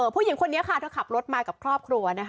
ผู้หญิงคนนี้ค่ะเธอขับรถมากับครอบครัวนะคะ